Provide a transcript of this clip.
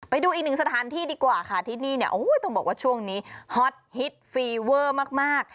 ไปดูอีกหนึ่งสถานที่ดีกว่าค่ะที่นี่เนี่ยต้องบอกว่าช่วงนี้ฮอตฮิตฟีเวอร์มาก